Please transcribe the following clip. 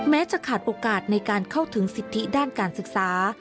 จะขาดโอกาสในการเข้าถึงสิทธิด้านการศึกษา